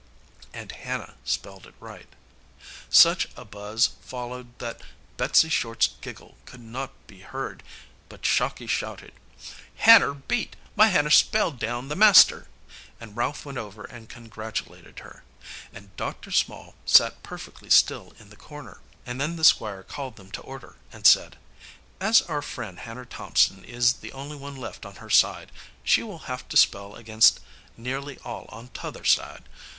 And Hannah spelled it right. Such a buzz followed that Betsey Short's giggle could not be heard, but Shocky shouted: "Hanner beat! my Hanner spelled down the master!" And Ralph went over and congratulated her. And Dr. Small sat perfectly still in the corner. And then the Squire called them to order, and said: "As our friend Hanner Thomson is the only one left on her side, she will have to spell against nearly all on t'other side.